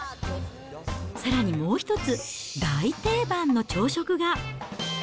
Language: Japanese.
さらにもう一つ、大定番の朝食が。